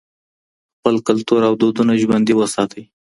خپل کلتور او دودونه ژوندي وساتئ.